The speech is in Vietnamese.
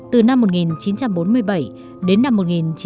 từ năm một nghìn chín trăm bốn mươi bảy đến năm một nghìn chín trăm bốn mươi